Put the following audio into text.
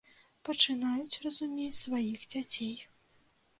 Пачынаюць разумець сваіх дзяцей.